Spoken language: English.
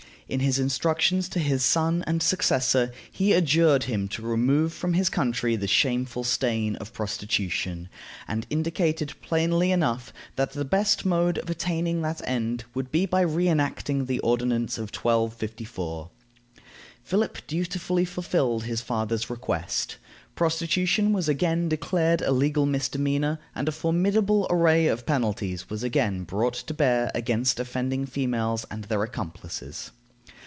In his instructions to his son and successor, he adjured him to remove from his country the shameful stain of prostitution, and indicated plainly enough that the best mode of attaining that end would be by re enacting the ordinance of 1254. Philip dutifully fulfilled his father's request. Prostitution was again declared a legal misdemeanor, and a formidable array of penalties was again brought to bear against offending females and their accomplices.